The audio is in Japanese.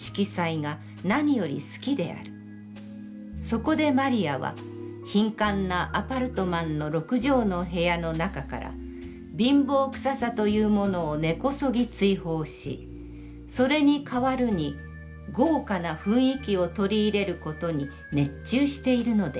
そこで魔利は貧寒なアパルトマンの六畳の部屋の中から、貧乏臭さというものを根こそぎ追放し、それに代るに豪華な雰囲気をとり入れることに、熱中しているのである。